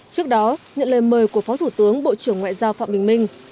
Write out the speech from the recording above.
trước đó nhận lời mời của phó thủ tướng bộ trưởng ngoại giao phạm bình minh